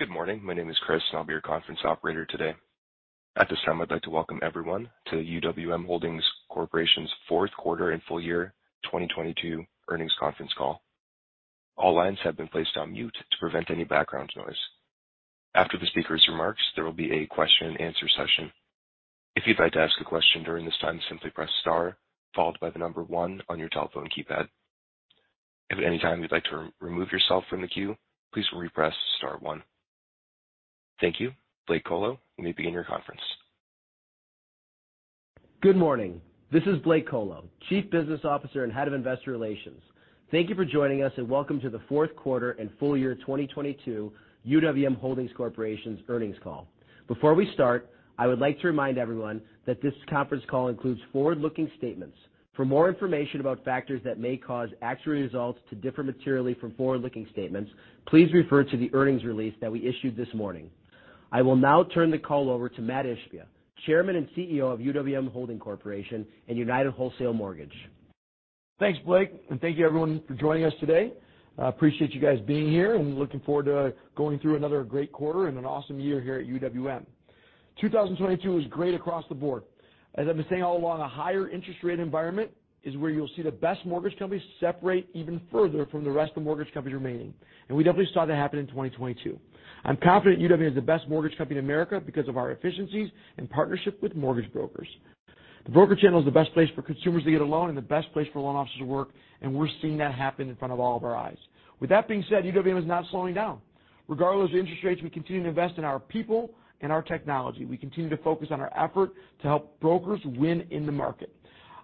Good morning. My name is Chris, and I'll be your conference operator today. At this time, I'd like to welcome everyone to the UWM Holdings Corporation's Q4 and Full Year 2022 Earnings Conference Call. All lines have been placed on mute to prevent any background noise. After the speaker's remarks, there will be a question and answer session. If you'd like to ask a question during this time, simply press Star followed by the number one on your telephone keypad. If at any time you'd like to remove yourself from the queue, please re-press Star one. Thank you. Blake Kolo, you may begin your conference. Good morning. This is Blake Kolo, Chief Business Officer and Head of Investor Relations. Thank you for joining us, and welcome to the Q4 and full year 2022 UWM Holdings Corporation's earnings call. Before we start, I would like to remind everyone that this conference call includes forward-looking statements. For more information about factors that may cause actual results to differ materially from forward-looking statements, please refer to the earnings release that we issued this morning. I will now turn the call over to Mat Ishbia, Chairman and CEO of UWM Holdings Corporation and United Wholesale Mortgage. Thanks, Blake. Thank you everyone for joining us today. I appreciate you guys being here, and we're looking forward to going through another great quarter and an awesome year here at UWM. 2022 was great across the board. As I've been saying all along, a higher interest rate environment is where you'll see the best mortgage companies separate even further from the rest of the mortgage companies remaining, and we definitely saw that happen in 2022. I'm confident UWM is the best mortgage company in America because of our efficiencies in partnership with mortgage brokers. The broker channel is the best place for consumers to get a loan and the best place for loan officers to work, and we're seeing that happen in front of all of our eyes. With that being said, UWM is not slowing down. Regardless of interest rates, we continue to invest in our people and our technology. We continue to focus on our effort to help brokers win in the market.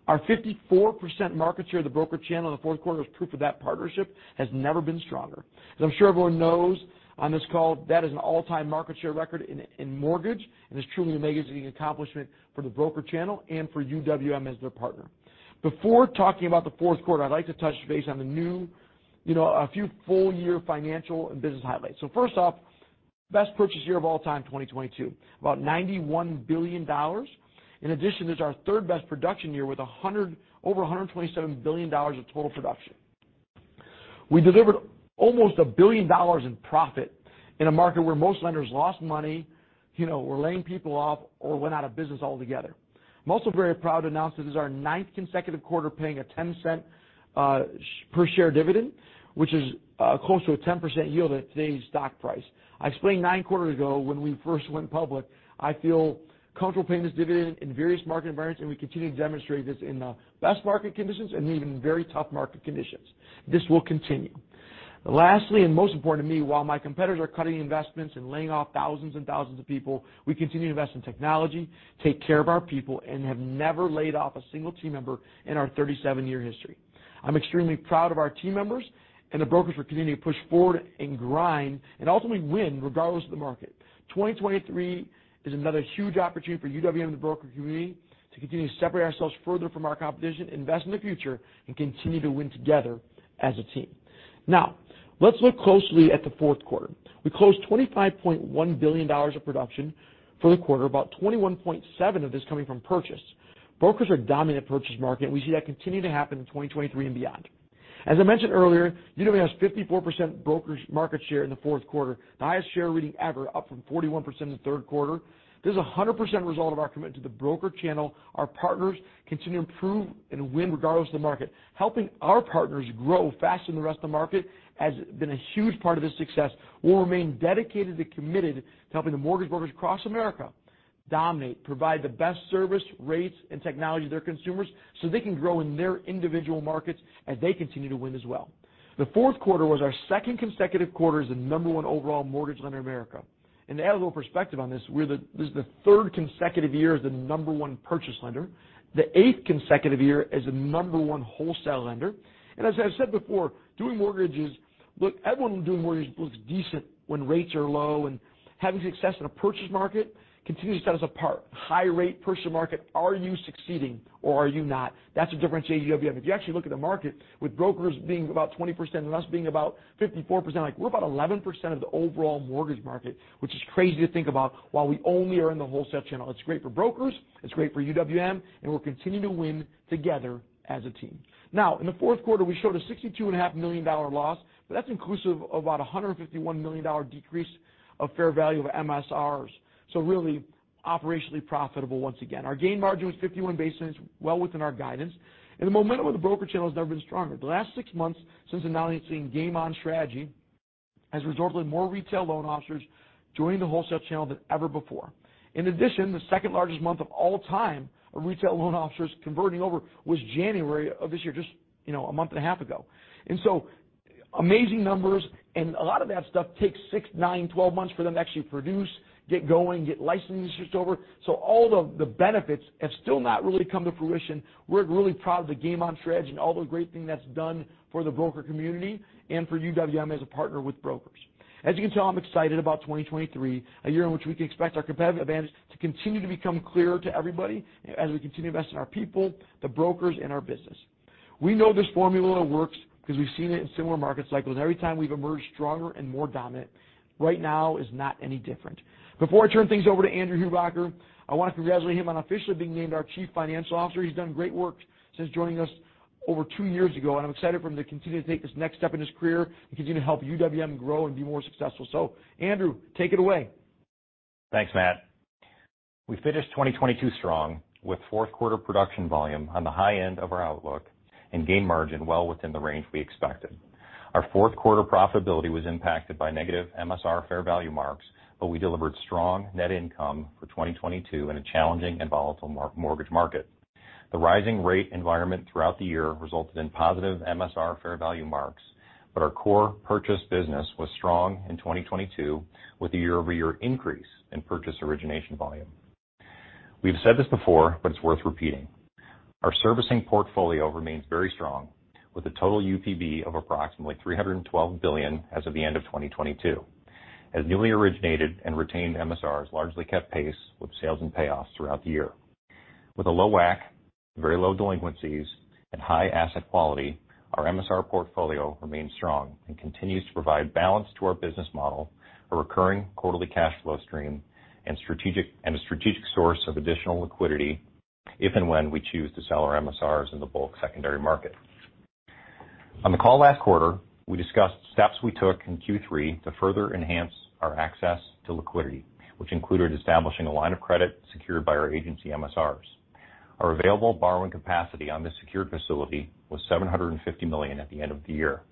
Our 54% market share of the broker channel in the Q4 is proof of that partnership has never been stronger. As I'm sure everyone knows on this call, that is an all-time market share record in mortgage and is truly an amazing accomplishment for the broker channel and for UWM as their partner. Before talking about the Q4, I'd like to touch base on, you know, a few full-year financial and business highlights. First off, best purchase year of all time, 2022. About $91 billion. In addition, it's our third-best production year with over $127 billion of total production. We delivered almost $1 billion in profit in a market where most lenders lost money, you know, were laying people off or went out of business altogether. I'm also very proud to announce this is our ninth consecutive quarter paying a $0.10 per share dividend, which is close to a 10% yield at today's stock price. I explained nine quarters ago when we first went public, I feel comfortable paying this dividend in various market environments, and we continue to demonstrate this in the best market conditions and even very tough market conditions. This will continue. Lastly, and most important to me, while my competitors are cutting investments and laying off thousands and thousands of people, we continue to invest in technology, take care of our people, and have never laid off a single team member in our 37-year history. I'm extremely proud of our team members. The brokers are continuing to push forward and grind and ultimately win regardless of the market. 2023 is another huge opportunity for UWM and the broker community to continue to separate ourselves further from our competition, invest in the future, and continue to win together as a team. Let's look closely at Q4. We closed $25.1 billion of production for the quarter, about $21.7 billion of this coming from purchase. Brokers are dominant purchase market. We see that continuing to happen in 2023 and beyond. As I mentioned earlier, UWM has 54% brokers market share in Q4, the highest share we're hitting ever, up from 41% in Q3. This is a 100% result of our commitment to the broker channel. Our partners continue to improve and win regardless of the market. Helping our partners grow faster than the rest of the market has been a huge part of this success. We'll remain dedicated and committed to helping the mortgage brokers across America dominate, provide the best service, rates, and technology to their consumers, so they can grow in their individual markets as they continue to win as well. The Q4 was our second consecutive quarter as the number one overall mortgage lender in America. To add a little perspective on this is the third consecutive year as the number one purchase lender, the eighth consecutive year as the number one wholesale lender. As I said before, everyone doing mortgages looks decent when rates are low, and having success in a purchase market continues to set us apart. High rate purchase market, are you succeeding or are you not? That's the difference at UWM. If you actually look at the market, with brokers being about 20% and us being about 54%, like, we're about 11% of the overall mortgage market, which is crazy to think about while we only are in the wholesale channel. It's great for brokers, it's great for UWM, and we're continuing to win together as a team. Now, in the Q4, we showed a sixty-two and a half million dollar loss, but that's inclusive of about a $151 million decrease of fair value of MSRs. Really operationally profitable once again. Our gain margin was 51 basis, well within our guidance. The momentum of the broker channel has never been stronger. The last six months since announcing Game On strategy has resulted in more retail loan officers joining the wholesale channel than ever before. In addition, the second-largest month of all time of retail loan officers converting over was January of this year, just, you know, a month and a half ago. Amazing numbers, and a lot of that stuff takes 6, 9, 12 months for them to actually produce, get going, get licenses switched over. All the benefits have still not really come to fruition. We're really proud of the Game On strategy and all the great things that's done for the broker community and for UWM as a partner with brokers. As you can tell, I'm excited about 2023, a year in which we can expect our competitive advantage to continue to become clearer to everybody as we continue to invest in our people, the brokers, and our business. We know this formula works because we've seen it in similar market cycles. Every time we've emerged stronger and more dominant. Right now is not any different. Before I turn things over to Andrew Hubacker, I want to congratulate him on officially being named our Chief Financial Officer. He's done great work since joining us over two years ago. I'm excited for him to continue to take this next step in his career and continue to help UWM grow and be more successful. Andrew, take it away. Thanks, Mat. We finished 2022 strong with Q4 production volume on the high end of our outlook and gain margin well within the range we expected. Our Q4 profitability was impacted by negative MSR fair value marks, but we delivered strong net income for 2022 in a challenging and volatile mortgage market. The rising rate environment throughout the year resulted in positive MSR fair value marks, but our core purchase business was strong in 2022 with a year-over-year increase in purchase origination volume. We've said this before, but it's worth repeating. Our servicing portfolio remains very strong with a total UPB of approximately $312 billion as of the end of 2022. As newly originated and retained MSRs largely kept pace with sales and payoffs throughout the year. With a low WAC, very low delinquencies, and high asset quality, our MSR portfolio remains strong and continues to provide balance to our business model, a recurring quarterly cash flow stream, and a strategic source of additional liquidity if and when we choose to sell our MSRs in the bulk secondary market. On the call last quarter, we discussed steps we took in Q3 to further enhance our access to liquidity, which included establishing a line of credit secured by our agency MSRs. Our available borrowing capacity on this secured facility was $750 million at the end of the year,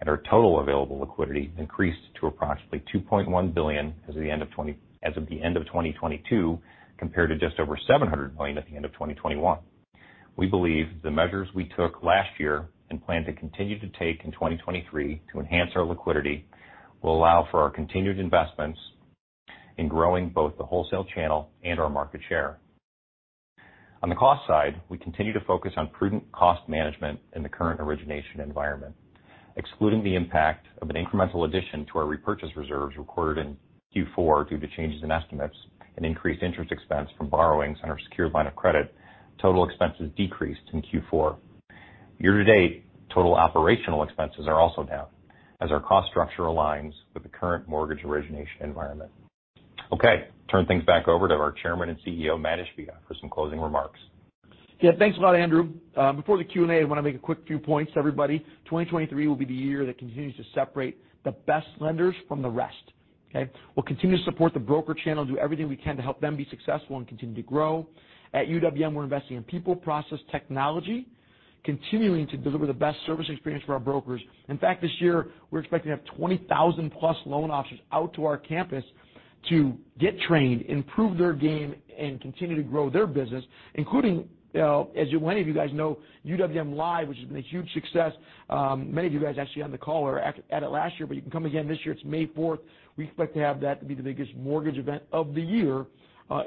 and our total available liquidity increased to approximately $2.1 billion as of the end of 2022, compared to just over $700 point at the end of 2021. We believe the measures we took last year and plan to continue to take in 2023 to enhance our liquidity will allow for our continued investments in growing both the wholesale channel and our market share. On the cost side, we continue to focus on prudent cost management in the current origination environment. Excluding the impact of an incremental addition to our repurchase reserves recorded in Q4 due to changes in estimates and increased interest expense from borrowings on our secured line of credit, total expenses decreased in Q4. Year-to-date, total operational expenses are also down as our cost structure aligns with the current mortgage origination environment. Okay, turn things back over to our Chairman and CEO, Mat Ishbia, for some closing remarks. Yeah. Thanks a lot, Andrew. Before the Q&A, I want to make a quick few points, everybody. 2023 will be the year that continues to separate the best lenders from the rest. Okay? We'll continue to support the broker channel and do everything we can to help them be successful and continue to grow. At UWM, we're investing in people, process, technology, continuing to deliver the best service experience for our brokers. In fact, this year, we're expecting to have 20,000 plus loan officers out to our campus to get trained, improve their game, and continue to grow their business, including, as many of you guys know, UWM LIVE!, which has been a huge success. Many of you guys actually on the call were at it last year, you can come again this year. It's May fourth. We expect to have that to be the biggest mortgage event of the year,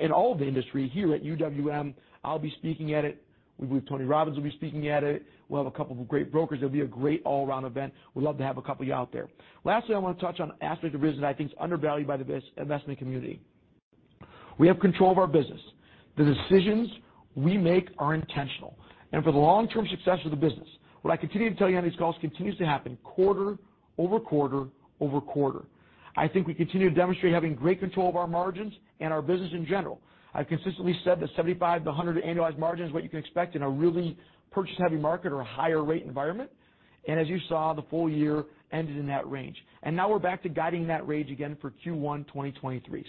in all of the industry here at UWM. I'll be speaking at it. We believe Tony Robbins will be speaking at it. We'll have a couple of great brokers. It'll be a great all-around event. We'd love to have a couple of you out there. Lastly, I want to touch on aspect of business that I think is undervalued by the investment community. We have control of our business. The decisions we make are intentional. For the long-term success of the business, what I continue to tell you on these calls continues to happen quarter over quarter over quarter. I think we continue to demonstrate having great control of our margins and our business in general. I've consistently said that 75-100 annualized margin is what you can expect in a really purchase-heavy market or a higher rate environment. As you saw, the full year ended in that range. Now we're back to guiding that range again for Q1 2023.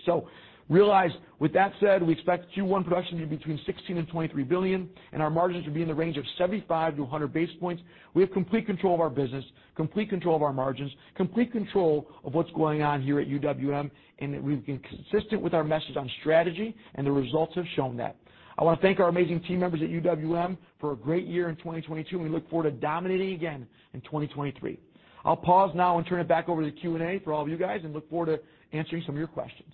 Realize with that said, we expect Q1 production to be between $16 billion and $23 billion, and our margins will be in the range of 75-100 basis points. We have complete control of our business, complete control of our margins, complete control of what's going on here at UWM, and we've been consistent with our message on strategy, and the results have shown that. I wanna thank our amazing team members at UWM for a great year in 2022, and we look forward to dominating again in 2023. I'll pause now and turn it back over to the Q&A for all of you guys, and look forward to answering some of your questions.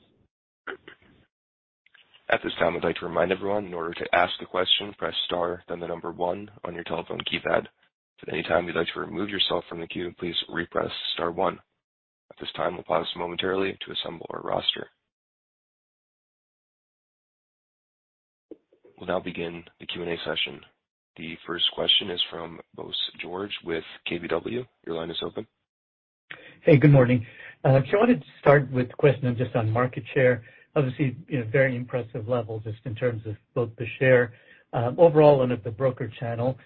At this time, I'd like to remind everyone in order to ask a question, press star then one on your telephone keypad. At any time you'd like to remove yourself from the queue, please re-press star one. At this time, we'll pause momentarily to assemble our roster. We'll now begin the Q&A session. The first question is from Bose George with KBW. Your line is open. Hey, good morning. I wanted to start with a question just on market share. Obviously, you know, very impressive level just in terms of both the share, overall and at the broker channel.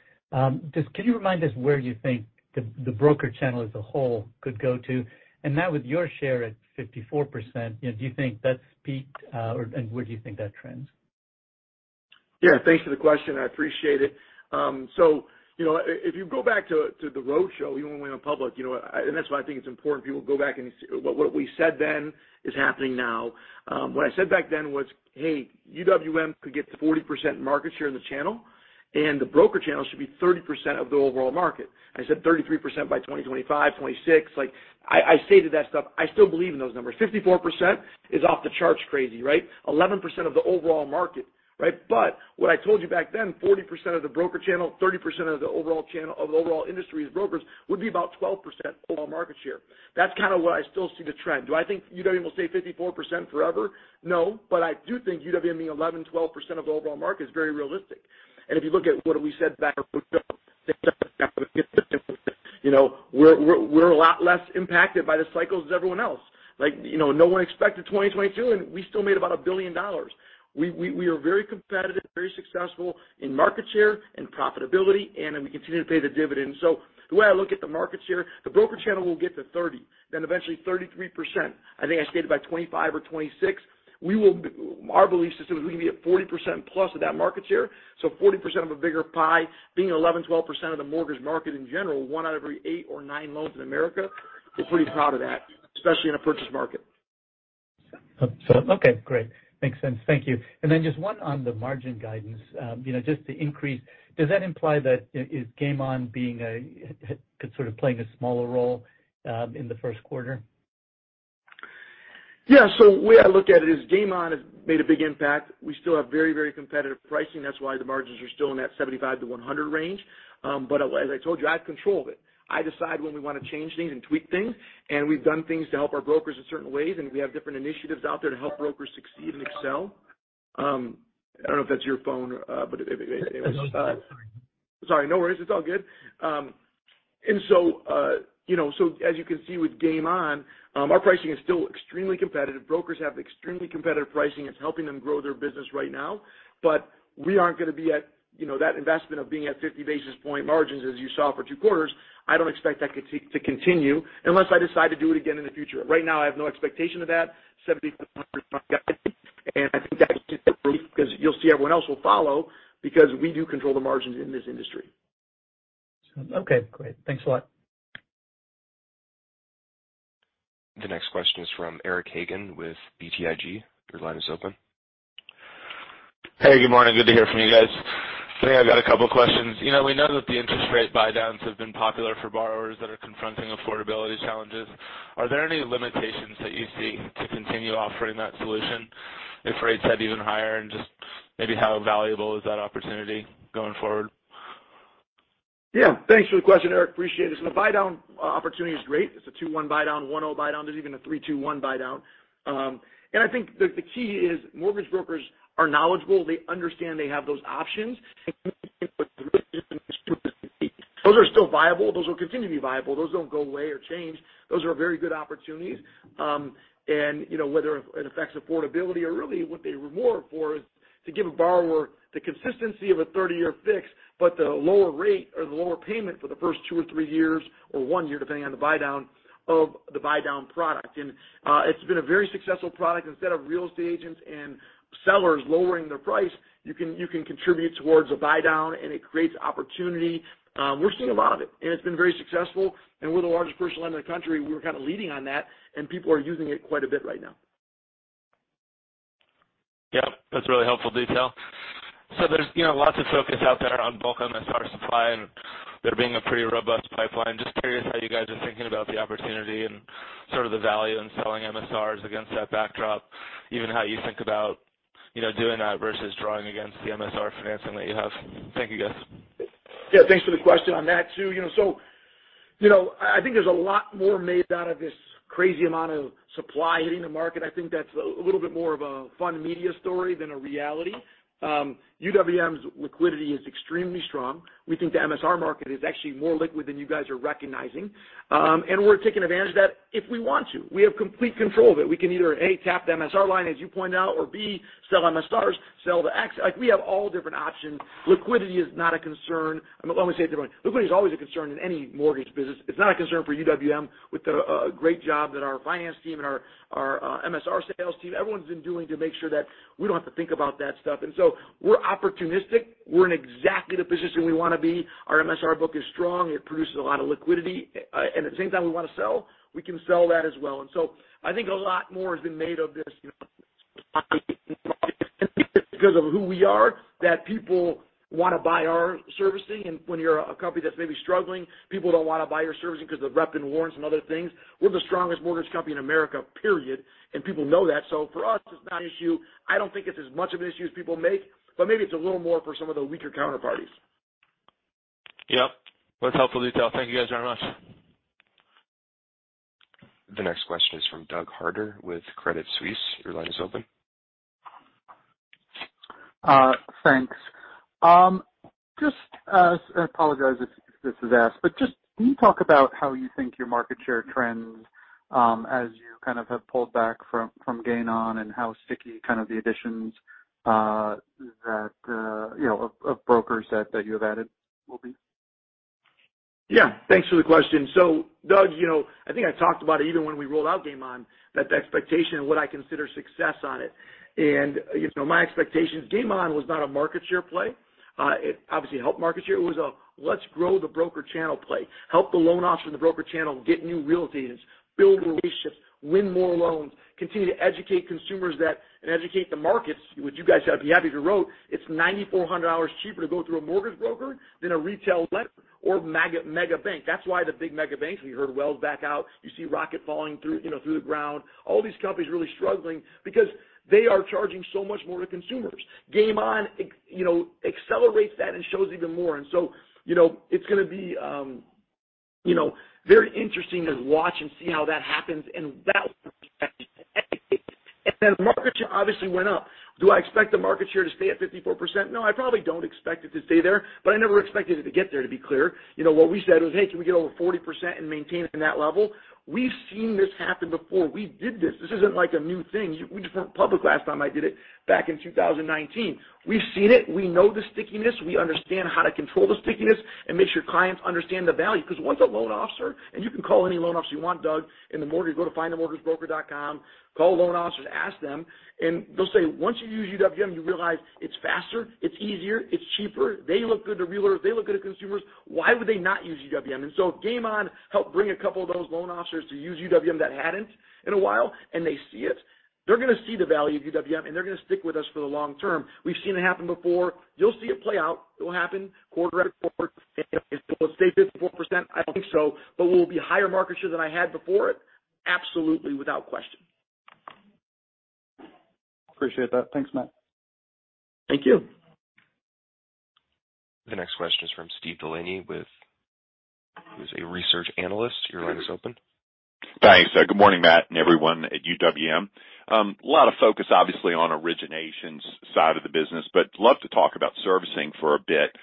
Just can you remind us where you think the broker channel as a whole could go to? Now with your share at 54%, you know, do you think that's peaked, or and where do you think that trends? Yeah, thanks for the question. I appreciate it. You know, if you go back to the roadshow, even when we went public, you know, and that's why I think it's important people go back and see what we said then is happening now. What I said back then was, "Hey, UWM could get to 40% market share in the channel, and the broker channel should be 30% of the overall market." I said, "33% by 2025, 2026." Like, I say to that stuff, I still believe in those numbers. 54% is off the charts crazy, right? 11% of the overall market, right? What I told you back then, 40% of the broker channel, 30% of the overall channel, of the overall industry is brokers, would be about 12% of our market share. That's kind of what I still see the trend. Do I think UWM will stay 54% forever? No, I do think UWM being 11%, 12% of the overall market is very realistic. If you look at what we said back. You know, we're a lot less impacted by the cycles as everyone else. Like, you know, no one expected 2022. We still made about $1 billion. We are very competitive, very successful in market share and profitability. We continue to pay the dividend. The way I look at the market share, the broker channel will get to 30, then eventually 33%. I think I stated by 2025 or 2026. Our belief system is we can be at 40%+ of that market share. 40% of a bigger pie, being 11%, 12% of the mortgage market in general, one out of every eight or nine loans in America. We're pretty proud of that, especially in a purchase market. Okay, great. Makes sense. Thank you. Just one on the margin guidance. you know, just the increase, does that imply that, is Game On sort of playing a smaller role, in the Q1? Yeah. Way I look at it is Game On has made a big impact. We still have very, very competitive pricing. That's why the margins are still in that 75%-100% range. As I told you, I have control of it. I decide when we wanna change things and tweak things, and we've done things to help our brokers in certain ways, and we have different initiatives out there to help brokers succeed and excel. I don't know if that's your phone, anyways. No. I'm sorry. Sorry, no worries. It's all good. You know, as you can see with Game On, our pricing is still extremely competitive. Brokers have extremely competitive pricing. It's helping them grow their business right now. We aren't gonna be at, you know, that investment of being at 50 basis point margins as you saw for two quarters. I don't expect that to continue unless I decide to do it again in the future. Right now, I have no expectation of that. 70, and I think that's just the proof, 'cause you'll see everyone else will follow because we do control the margins in this industry. Okay, great. Thanks a lot. The next question is from Eric Hagen with BTIG. Your line is open. Hey, good morning. Good to hear from you guys. Yeah, I've got a couple questions. You know, we know that the interest rate buydowns have been popular for borrowers that are confronting affordability challenges. Are there any limitations that you see to continue offering that solution if rates head even higher? Just maybe how valuable is that opportunity going forward? Thanks for the question, Eric. Appreciate it. The buydown opportunity is great. It's a 2-1 buydown, 1-0 buydown. There's even a 3-2-1 buydown. I think the key is mortgage brokers are knowledgeable. They understand they have those options. Those are still viable. Those will continue to be viable. Those don't go away or change. Those are very good opportunities. You know, whether it affects affordability or really what they reward for is to give a borrower the consistency of a 30-year fix, but the lower rate or the lower payment for the first 2 or 3 years or 1 year, depending on the buydown of the buydown product. It's been a very successful product. Instead of real estate agents and sellers lowering their price, you can contribute towards a buydown, and it creates opportunity. We're seeing a lot of it, and it's been very successful. We're the largest personal lender in the country. We're kind of leading on that, and people are using it quite a bit right now. Yeah. That's really helpful detail. There's, you know, lots of focus out there on bulk MSR supply and there being a pretty robust pipeline. Just curious how you guys are thinking about the opportunity and sort of the value in selling MSRs against that backdrop, even how you think about, you know, doing that versus drawing against the MSR financing that you have? Thank you, guys. Yeah, thanks for the question on that too. You know, you know, I think there's a lot more made out of this crazy amount of supply hitting the market. I think that's a little bit more of a fun media story than a reality. UWM's liquidity is extremely strong. We think the MSR market is actually more liquid than you guys are recognizing. We're taking advantage of that if we want to. We have complete control of it. We can either, A, tap the MSR line as you point out, or B, sell MSRs, sell. Like, we have all different options. Liquidity is not a concern. Let me say it differently. Liquidity is always a concern in any mortgage business. It's not a concern for UWM with the great job that our finance team and our MSR sales team, everyone's been doing to make sure that we don't have to think about that stuff. We're opportunistic. We're in exactly the position we wanna be. Our MSR book is strong. It produces a lot of liquidity. At the same time, we wanna sell. We can sell that as well. I think a lot more has been made of this, you know, because of who we are, that people wanna buy our servicing. When you're a company that's maybe struggling, people don't wanna buy your servicing 'cause of reps and warrants and other things. We're the strongest mortgage company in America, period. People know that. For us, it's not an issue. I don't think it's as much of an issue as people make, but maybe it's a little more for some of the weaker counterparties. Yep. That's helpful detail. Thank you guys very much. The next question is from Doug Harter with Credit Suisse. Your line is open. Thanks. Just, I apologize if this is asked, just can you talk about how you think your market share trends, as you kind of have pulled back from Game On and how sticky kind of the additions, that, you know, of brokers that you have added will be? Yeah. Thanks for the question. Doug, you know, I think I talked about it even when we rolled out Game On, that the expectation of what I consider success on it. You know, my expectations, Game On was not a market share play. It obviously helped market share. It was a let's grow the broker channel play. Help the loan officer and the broker channel get new real estate agents, build relationships, win more loans, continue to educate consumers that, and educate the markets, which you guys have happily wrote. It's $9,400 cheaper to go through a mortgage broker than a retail lender or mega bank. That's why the big mega banks, we heard Wells back out. You see Rocket falling through, you know, through the ground. All these companies really struggling because they are charging so much more to consumers. Game On, you know, accelerates that and shows even more. You know, it's gonna be, you know, very interesting to watch and see how that happens. Market share obviously went up. Do I expect the market share to stay at 54%? No, I probably don't expect it to stay there, but I never expected it to get there, to be clear. You know what we said was, "Hey, can we get over 40% and maintain it in that level?" We've seen this happen before. We did this. This isn't like a new thing. We went public last time I did it back in 2019. We've seen it. We know the stickiness. We understand how to control the stickiness and make sure clients understand the value. Once a loan officer, and you can call any loan officer you want, Doug, in the mortgage. Go to FindAMortgageBroker.com. Call loan officers, ask them, and they'll say, once you use UWM, you realize it's faster, it's easier, it's cheaper. They look good to realtors. They look good to consumers. Why would they not use UWM? Game On helped bring a couple of those loan officers to use UWM that hadn't in a while, and they see it. They're gonna see the value of UWM, and they're gonna stick with us for the long term. We've seen it happen before. You'll see it play out. It will happen quarter after quarter. Will it stay 54%? I don't think so. Will it be higher market share than I had before it? Absolutely, without question. Appreciate that. Thanks, Mat. Thank you. The next question is from Steve DeLaney with... Who's a research analyst. Your line is open. Thanks. Good morning, Mat and everyone at UWM. A lot of focus, obviously, on originations side of the business, but love to talk about servicing for a bit.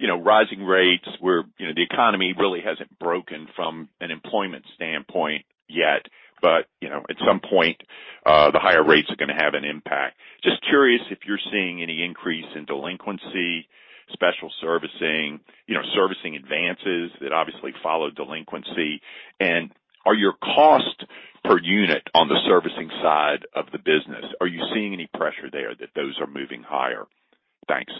You know, rising rates where, you know, the economy really hasn't broken from an employment standpoint yet, but, you know, at some point, the higher rates are gonna have an impact. Just curious if you're seeing any increase in delinquency, special servicing, you know, servicing advances that obviously follow delinquency? Are your cost per unit on the servicing side of the business, are you seeing any pressure there that those are moving higher? Thanks.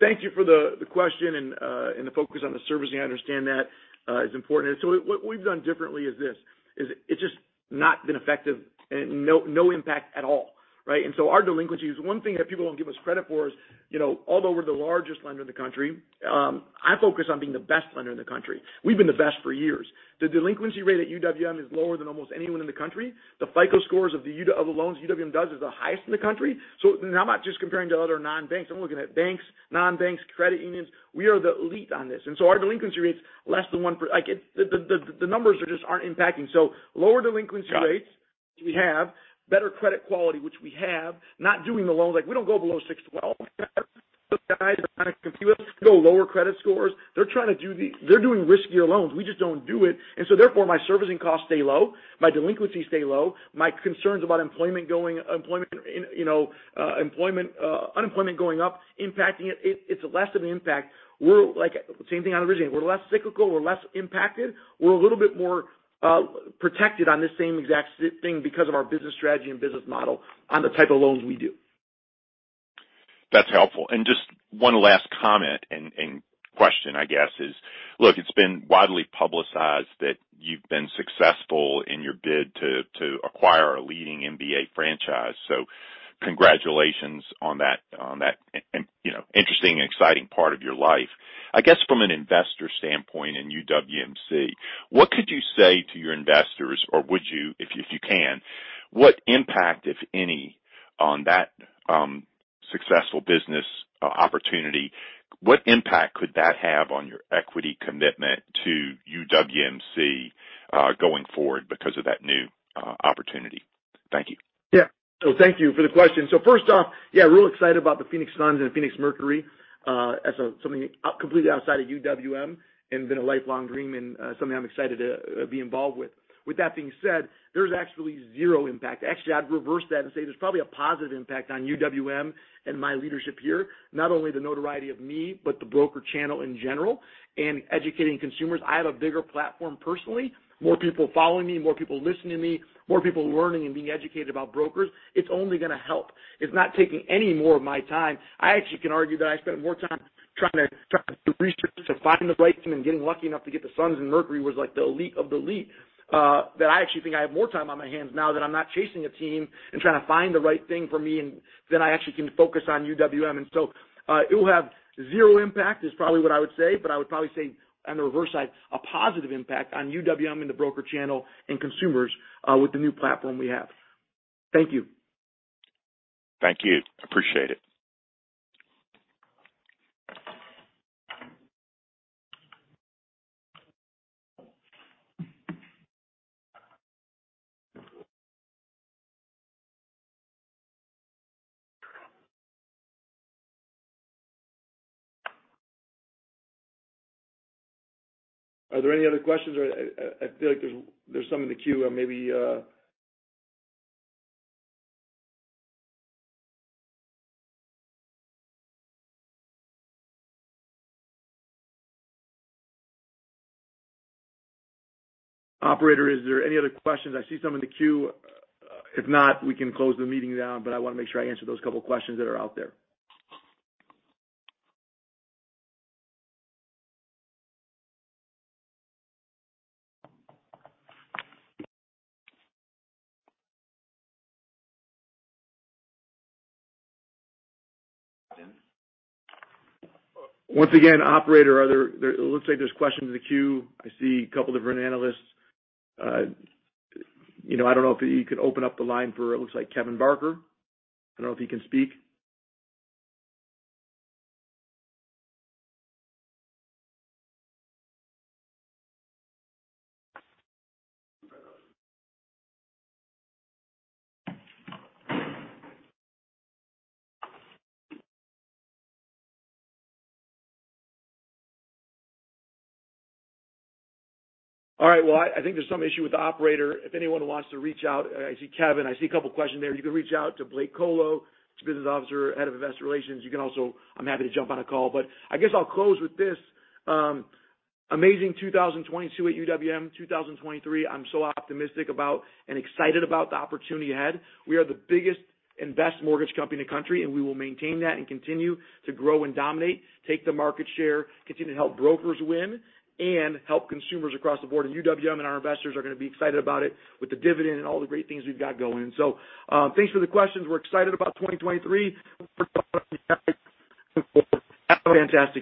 Thank you for the question and the focus on the servicing. I understand that is important. What we've done differently is it's just not been effective and no impact at all, right? Our delinquency is one thing that people don't give us credit for is, you know, although we're the largest lender in the country, I focus on being the best lender in the country. We've been the best for years. The delinquency rate at UWM is lower than almost anyone in the country. The FICO scores of the loans UWM does is the highest in the country. I'm not just comparing to other non-banks. I'm looking at banks, non-banks, credit unions. We are the elite on this. Our delinquency rate's less than one per-- Like, it's... The numbers are just aren't impacting. Lower delinquency rates. Got it. which we have. Better credit quality, which we have. Not doing the loans. Like, we don't go below 612. Those guys are trying to compete with go lower credit scores. They're doing riskier loans. We just don't do it. Therefore, my servicing costs stay low. My delinquencies stay low. My concerns about unemployment going up impacting it's less of an impact. We're like, same thing on originating. We're less cyclical. We're less impacted. We're a little bit more protected on this same exact thing because of our business strategy and business model on the type of loans we do. That's helpful. Just one last comment and question, I guess is, look, it's been widely publicized that you've been successful in your bid to acquire a leading NBA franchise. Congratulations on that, and, you know, interesting and exciting part of your life. I guess from an investor standpoint in UWMC, what could you say to your investors or would you, if you can, what impact, if any, on that successful business opportunity, what impact could that have on your equity commitment to UWMC going forward because of that new opportunity? Thank you. Yeah. Thank you for the question. First off, yeah, real excited about the Phoenix Suns and Phoenix Mercury, as something completely outside of UWM and been a lifelong dream and something I'm excited to be involved with. With that being said, there's actually zero impact. Actually, I'd reverse that and say there's probably a positive impact on UWM and my leadership here. Not only the notoriety of me, but the broker channel in general and educating consumers. I have a bigger platform personally, more people following me, more people listening to me, more people learning and being educated about brokers. It's only gonna help. It's not taking any more of my time. I actually can argue that I spent more time trying to do research to find the right team and getting lucky enough to get the Suns and Mercury was like the elite of the elite, that I actually think I have more time on my hands now that I'm not chasing a team and trying to find the right thing for me, and then I actually can focus on UWM. It will have zero impact is probably what I would say, but I would probably say on the reverse side, a positive impact on UWM and the broker channel and consumers, with the new platform we have. Thank you. Thank you. Appreciate it. Are there any other questions? I feel like there's some in the queue. Maybe. Operator, is there any other questions? I see some in the queue. If not, we can close the meeting down, but I wanna make sure I answer those couple questions that are out there. Once again, operator, there looks like there's questions in the queue. I see a couple different analysts. You know, I don't know if you could open up the line for it looks like Kevin Barker. I don't know if he can speak. All right. Well, I think there's some issue with the operator. If anyone wants to reach out, I see Kevin, I see a couple questions there. You can reach out to Blake Kolo, who's business officer, head of investor relations. You can also. I'm happy to jump on a call. I guess I'll close with this. Amazing 2022 at UWM. 2023, I'm so optimistic about and excited about the opportunity ahead. We are the biggest and best mortgage company in the country, and we will maintain that and continue to grow and dominate, take the market share, continue to help brokers win and help consumers across the board. UWM and our investors are gonna be excited about it with the dividend and all the great things we've got going. Thanks for the questions. We're excited about 2023. Fantastic.